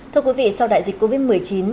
thưa quý vị sau đại dịch covid một mươi chín